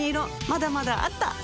まだまだあった！